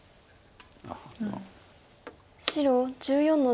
白１４の十ハネ。